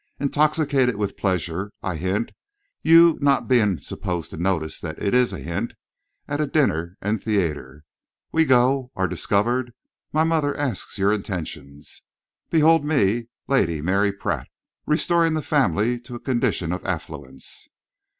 Intoxicated with pleasure, I hint you not being supposed to notice that it is a hint at a dinner and theatre. We go, are discovered, my mother asks your intentions. Behold me, Lady Mary Pratt, restoring the family to a condition of affluence."